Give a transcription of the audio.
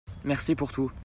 Merci pour tout.